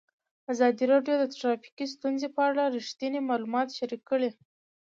ازادي راډیو د ټرافیکي ستونزې په اړه رښتیني معلومات شریک کړي.